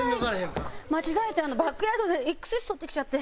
間違えてバックヤードでＸＳ取ってきちゃって。